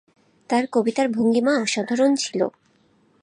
তার কবিতার ভঙ্গিমা অসাধারণ ছিল।